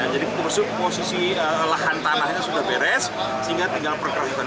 jadi posisi lahan tanahnya sudah beres sehingga tinggal perkerasan